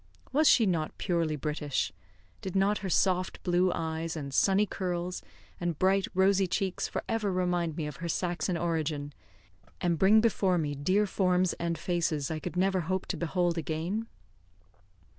Was she not purely British? Did not her soft blue eyes, and sunny curls, and bright rosy cheeks for ever remind me of her Saxon origin, and bring before me dear forms and faces I could never hope to behold again?